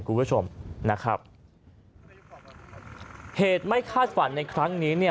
คุณผู้ชมนะครับเหตุไม่คาดฝันในครั้งนี้เนี่ย